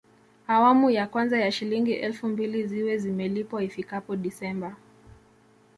Awamu ya kwanza ya Shilingi elfu mbili ziwe zimelipwa ifikapo Disemba